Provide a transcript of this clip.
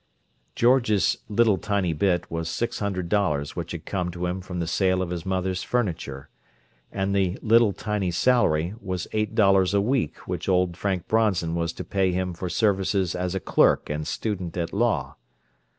George's "little tiny bit" was six hundred dollars which had come to him from the sale of his mother's furniture; and the "little tiny salary" was eight dollars a week which old Frank Bronson was to pay him for services as a clerk and student at law.